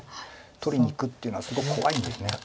取りにいくっていうのはすごく怖いんです。